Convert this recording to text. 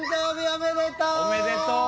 おめでとう。